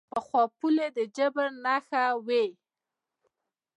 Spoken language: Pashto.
پخوا پولې د جبر نښه وې.